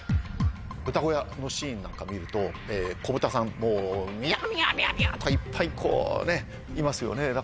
豚小屋のシーンなんか見ると子豚さんもうミャミャとかいっぱいこうねいますよね。